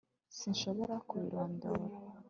sinshobora kubirondora